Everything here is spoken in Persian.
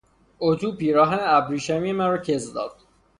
اطو پیراهن ابریشمی مرا کز داد.